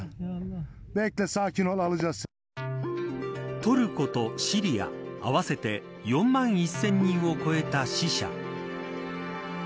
トルコとシリア合わせて４万１０００人を超えた死者。